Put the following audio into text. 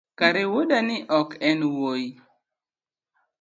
kare wuodani ok enwuoyi?